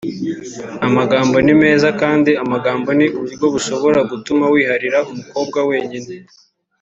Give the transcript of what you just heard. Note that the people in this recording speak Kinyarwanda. amagambo ni meza kandi amagambo ni uburyo bushobora gutuma wiharira umukobwa wenyine